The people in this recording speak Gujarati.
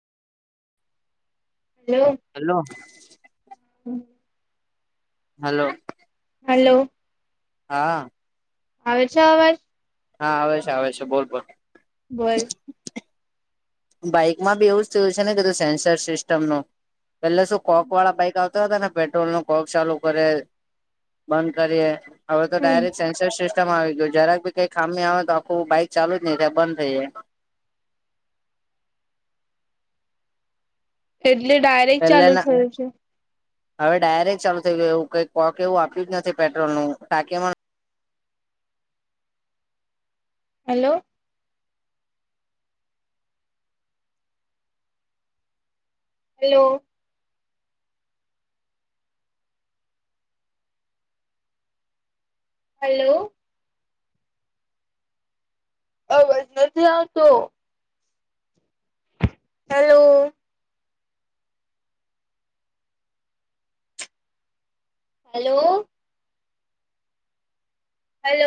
હલો હેલો હમ્મ હલો હલો હા આવે છે અવાજ હા આવે છે આવે છે બોલ બોલ બોલ બાઈકમાં બી એવું જ થયું છે ને કેધું સેન્સર સિસ્ટમનું પેલા શું કોક વાળા બાઈક આવતા હતા ને પેટ્રોલ નું કોક ચાલુ કરે બંધ કરે હવે તો હમ ડાયરેક્ટ સેન્સર સિસ્ટમ આવી ગયો જરાક ભી કઈ ખામી આવે તો આખું બાઈક ચાલુ જ નહીં થાય બંધ થઈ જાય. એટલે ડાયરેક્ટ પેલે ચાલુ થયુ છે. હવે ડાયરેક્ટ ચાલુ થઈ ગયો એવું કઈ કોક એવું આપ્યું જ નથી પેટ્રોલ નું ટાકી માં હલો. હેલો. હલો. અવાજ નથી આવતો. હેલો. હલો.